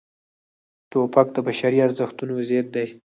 توپک د بشري ارزښتونو ضد دی.